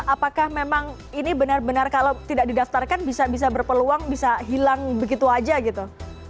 apakah memang ini benar benar kalau tidak didaftarkan bisa bisa berpeluang bisa hilang begitu aja gitu